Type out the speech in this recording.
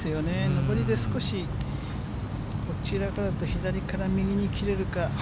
上りで、少しこちらからだと左から右に切れるか。